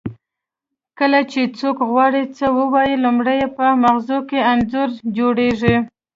کله چې څوک غواړي څه ووایي لومړی یې په مغزو کې انځور جوړیږي